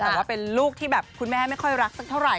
แต่ว่าเป็นลูกที่แบบคุณแม่ไม่ค่อยรักสักเท่าไห